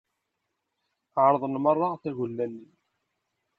Ɛerḍen merra tagella-nni.